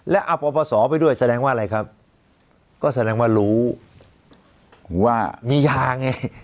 แล้วเอาปปศไปด้วยแสดงว่าอะไรครับก็แสดงว่ารู้ว่ามียาไง